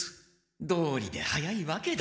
どうりで早いわけだ。